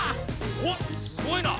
おっすごいな！